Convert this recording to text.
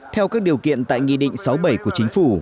theo các điều kiện tại nghị định sáu mươi bảy của chính phủ